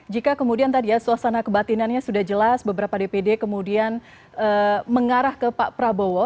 jika kemudian tadi ya suasana kebatinannya sudah jelas beberapa dpd kemudian mengarah ke pak prabowo